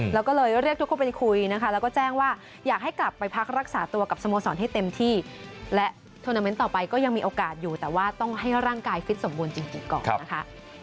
แล้วก็เลยเรียกทุกคนไปคุยนะคะแล้วก็แจ้งว่าอยากให้กลับไปพักรักษาตัวกับสโมสรให้เต็มที่และทวนาเมนต์ต่อไปก็ยังมีโอกาสอยู่แต่ว่าต้องให้ร่างกายฟิตสมบูรณ์จริงก่อนนะคะ